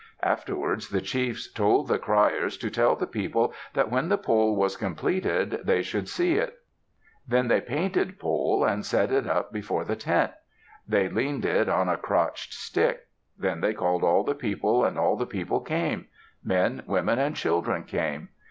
Afterwards the chiefs told the criers to tell the people that when Pole was completed they should see it. Then they painted Pole and set it up before the tent. They leaned it on a crotched stick. Then they called all the people and all the people came. Men, women, and children came.